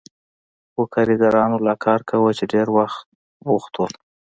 خو کارګرانو لا کار کاوه چې ډېر بوخت ول.